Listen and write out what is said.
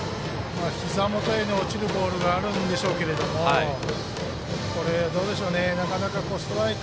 ひざ元への落ちるボールがあるんでしょうけれどもなかなか、ストライク。